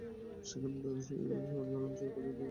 Sikandar Shah Iran জয় করে, ধুতি-চাদর ফেলে ইজার পরতে লাগলেন।